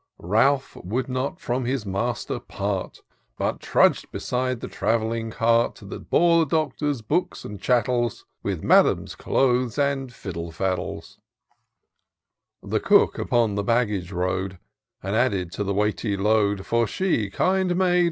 Ralph would not from his master part, But trudg'd beside the traveling cart That bore the Doctor's books and chattels, With Madam's clothes and fiddle faddles : The cook upon the baggage rode. And added to the weighty load ; For she, kind maid